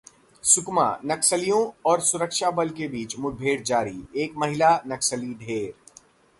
सुकमाः नक्सलियों और सुरक्षा बल के बीच मुठभेड़ जारी, एक महिला नक्सली ढेर